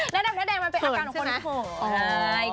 หน้าดำหน้าแดงมันเป็นอาการของคนห่วง